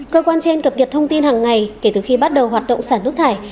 cơ quan trên cập kiệt thông tin hằng ngày kể từ khi bắt đầu hoạt động xả nước thải